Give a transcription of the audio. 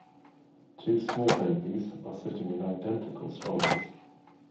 Two small babies are sitting in identical strollers.